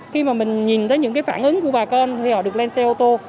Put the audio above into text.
khi mà mình nhìn thấy những cái phản ứng của bà con thì họ được lên xe ô tô